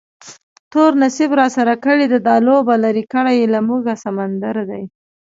تور نصیب راسره کړې ده دا لوبه، لرې کړی یې له موږه سمندر دی